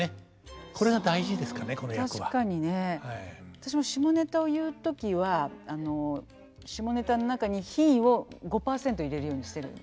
私も下ネタを言う時は下ネタの中に品位を５％入れるようにしてるんです。